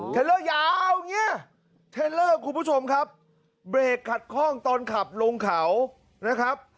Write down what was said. เทลเลอร์ยาวอย่างนี้เทลเลอร์คุณผู้ชมครับเบรกขัดข้องตอนขับลงเขานะครับ